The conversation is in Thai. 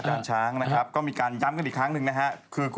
คุณไปหัดพ่องพี่คุณแม่สองหนู